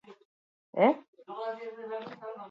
Gero neutralizatu egin nahi izan naute.